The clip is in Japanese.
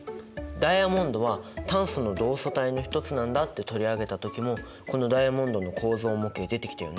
ダイヤモンドは炭素の同素体の一つなんだって取り上げた時もこのダイヤモンドの構造模型出てきたよね。